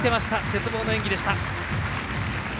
鉄棒の演技でした。